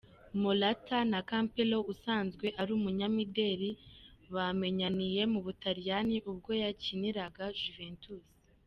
Morata na Campello usanzwe ari umunyamideli bamenyaniye mu Butaliyani ubwo yakiniraga Juventus.